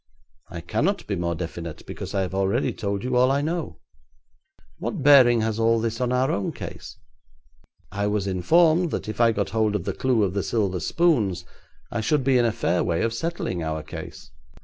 'I cannot be more definite, because I have already told you all I know.' 'What bearing has all this on our own case?' 'I was informed that if I got hold of the clue of the silver spoons I should be in a fair way of settling our case.'